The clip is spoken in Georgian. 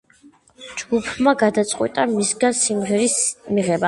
ჯგუფმა გადაწყვიტა მისგან სიმღერის მიღება.